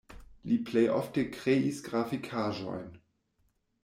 Li plej ofte kreis grafikaĵojn.